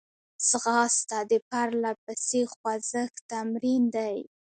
ځغاسته د پرلهپسې خوځښت تمرین دی